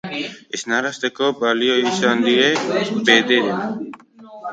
Esnarazteko balio izan die, bederen.